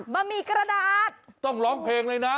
หมี่กระดาษต้องร้องเพลงเลยนะ